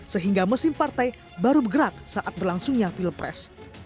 sehingga mesin partai baru bergerak saat berlangsungnya pilpres